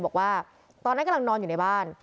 บอกว่าตอนนั้นกำลังนอนอยู่ในบ้าน